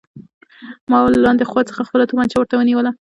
ما له لاندې خوا څخه خپله توپانچه ورته ونیوله